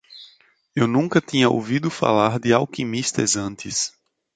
Eu nunca tinha ouvido falar de alquimistas antes